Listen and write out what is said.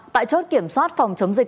tại chốt kiểm soát phòng chống dịch